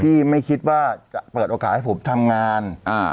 ที่ไม่คิดว่าจะเปิดโอกาสให้ผมทำงาน